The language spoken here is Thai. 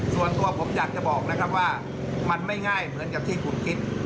ส่วนตัวผมอยากจะบอกนะครับว่ามันไม่ง่ายเหมือนกับที่คุณคิด